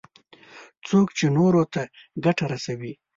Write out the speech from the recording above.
څوک چې نورو ته ګټه رسوي.